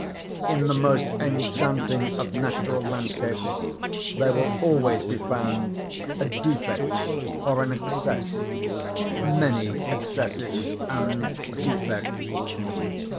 In the most enchanting of natural landscapes, there will always be found a defect or an excess—many excesses and defects.